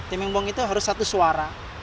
timing bong itu harus satu suara